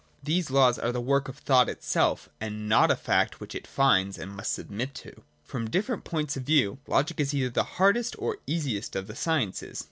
These laws are the work of thought itself, and not a fact which it finds and must submit to. From different points of view. Logic is either the hardest or the easiest of the sciences.